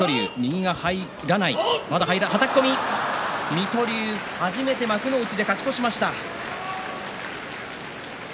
水戸龍、初めて幕内で勝ち越ししました。